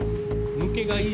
抜けがいい。